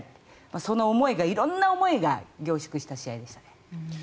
その思い、色んな思いが凝縮した試合でした。